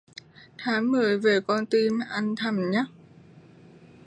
Tháng mười về con tim anh thầm nhắc